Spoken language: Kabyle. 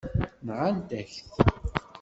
Nɣant-ak-t.